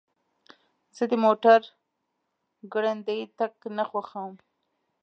زه د موټر ګړندی تګ نه خوښوم.